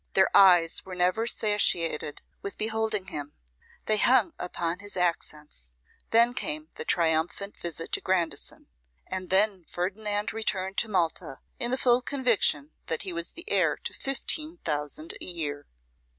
Their eyes were never satiated with beholding him; they hung upon his accents. Then came the triumphant visit to Grandison; and then Ferdinand returned to Malta, in the full conviction that he was the heir to fifteen thousand a year.